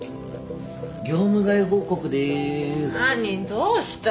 どうした？